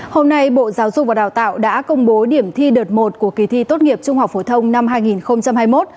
hôm nay bộ giáo dục và đào tạo đã công bố điểm thi đợt một của kỳ thi tốt nghiệp trung học phổ thông năm hai nghìn hai mươi một